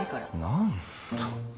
何だ。